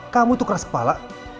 kamu tuh keras kepala